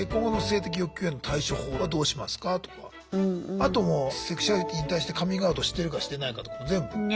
あともうセクシュアリティーに対してカミングアウトしてるかしてないかとかも全部。